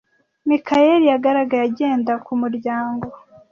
Mikayeli yagaragaye agenda ku muryango.